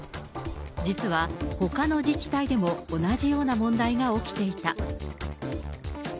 実はほかの自治体でも同じような問題が起きていた。